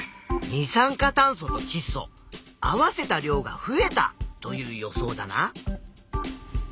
二酸化炭素とちっ素合わせた量が増えたという予想だな。